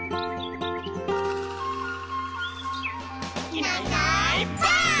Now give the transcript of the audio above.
「いないいないばあっ！」